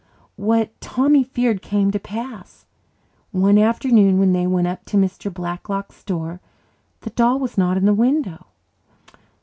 What Tommy feared came to pass. One afternoon, when they went up to Mr. Blacklock's store, the doll was not in the window.